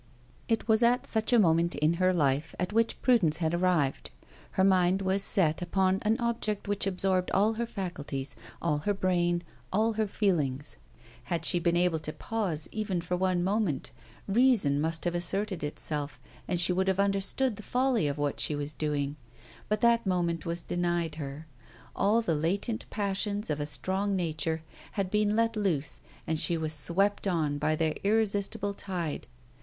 It was at such a moment in her life at which Prudence had arrived. Her mind was set upon an object which absorbed all her faculties, all her brain, all her feelings. Had she been able to pause, even for one moment, reason must have asserted itself and she would have understood the folly of what she was doing. But that moment was denied her. All the latent passions of a strong nature had been let loose and she was swept on by their irresistible tide.